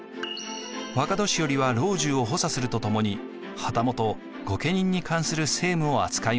若年寄は老中を補佐するとともに旗本御家人に関する政務を扱いました。